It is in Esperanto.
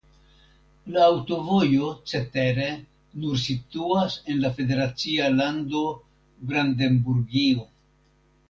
La aŭtovojo cetere nur situas en la federacia lando Brandenburgio.